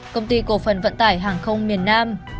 công ty cổ phần vận tải hàng không miền nam